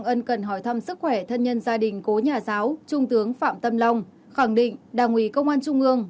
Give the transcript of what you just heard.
ân cần hỏi thăm sức khỏe thân nhân gia đình cố nhà giáo trung tướng phạm tâm long khẳng định đảng ủy công an trung ương